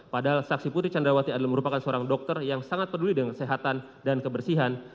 padahal saksi putri candrawati adalah merupakan seorang dokter yang sangat peduli dengan kesehatan dan kebersihan